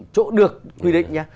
chỗ được quy định nhé